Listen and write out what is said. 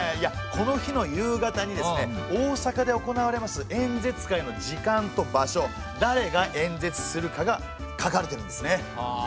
この日の夕方にですね大阪で行われます演説会の時間と場所だれが演説するかが書かれてるんですね。